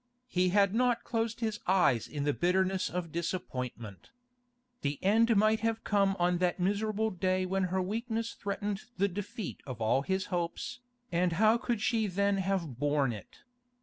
He had not closed his eyes in the bitterness of disappointment. The end might have come on that miserable day when her weakness threatened the defeat of all his hopes, and how could she then have borne it?